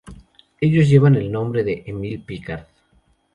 Ellos llevan el nombre de Émile Picard.